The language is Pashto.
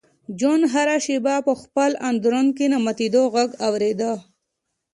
جون هره شېبه په خپل اندرون کې د ماتېدو غږ اورېده